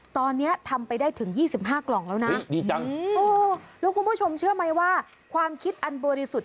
ตอนนี้ทำไปได้ถึง๒๕กล่องแล้วนะดีจังแล้วคุณผู้ชมเชื่อไหมว่าความคิดอันบริสุทธิ์